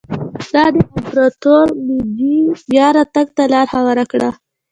دا د امپراتور مېجي بیا راتګ ته لار هواره کړه.